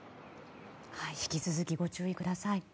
引き続きご注意ください。